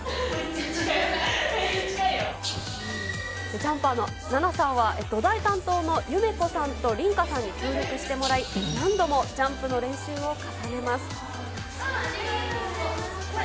ジャンパーのナナさんは土台担当のユメコさんとリンカさんに協力してもらい、何度もジャンプの練習を重ねます。